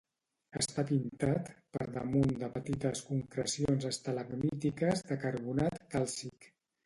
Està pintat per damunt de petites concrecions estalagmítiques de carbonat càlcic.